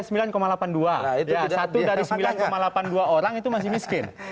satu dari sembilan delapan puluh dua orang itu masih miskin